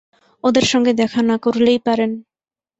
ওদের সঙ্গে দেখা না করলেই পারেন।